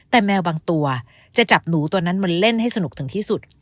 แต่แมวบางตัวจะจับหนูตัวนั้นมาเล่นให้สนุกถึงที่สุด